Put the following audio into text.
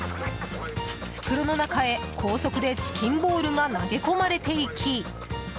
袋の中へ高速でチキンボールが投げ込まれていき。